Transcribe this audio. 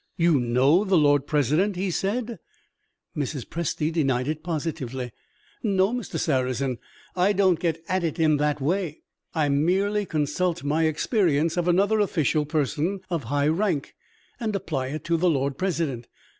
"You know the Lord President," he said. Mrs. Presty denied it positively. "No, Mr. Sarrazin, I don't get at it in that way. I merely consult my experience of another official person of high rank, and apply it to the Lord President.